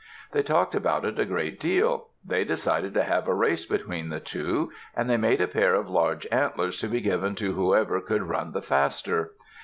They talked about it a great deal. They decided to have a race between the two, and they made a pair of large antlers to be given to whoever could run the faster.